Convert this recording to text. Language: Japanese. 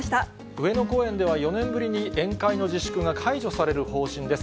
上野公園では４年ぶりに宴会の自粛が解除される方針です。